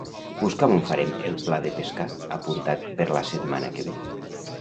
Busca'm on farem el pla de pescar apuntat per la setmana que ve.